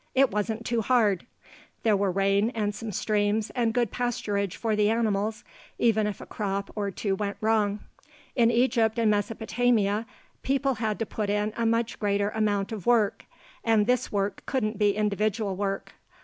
It wasn't too hard; there were rain and some streams, and good pasturage for the animals even if a crop or two went wrong. In Egypt and Mesopotamia, people had to put in a much greater amount of work, and this work couldn't be individual work.